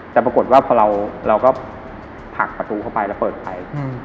แล้วเราก็ผลักประตูเข้าไปแล้วเปิดออกไป